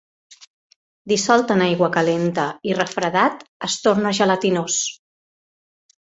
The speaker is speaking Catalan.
Dissolt en aigua calenta i refredat es torna gelatinós.